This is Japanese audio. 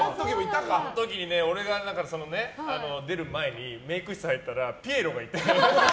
その時に俺が出る前にメイク室入ったらピエロがいて。